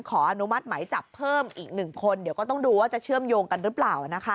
อนุมัติไหมจับเพิ่มอีก๑คนเดี๋ยวก็ต้องดูว่าจะเชื่อมโยงกันหรือเปล่า